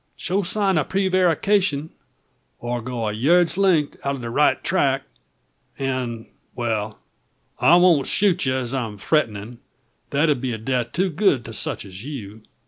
Show sign o' preevarication, or go a yurd's length out o' the right track, an' wal, I won't shoot ye, as I'm threetenin'. That 'ud be a death too good for sech as you.